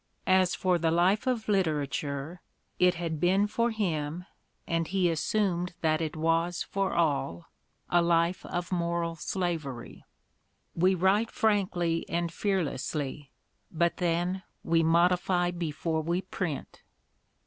As for the life of literature, it had been for him, and he assumed that 246 Mustered Out 247 it was for all, a life of moral slavery. "We write frankly and fearlessly, but then we 'modify' before we print"!